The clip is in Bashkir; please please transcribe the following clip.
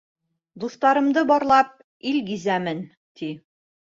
Дуҫтарымды барлап, ил гиҙәмен, ти.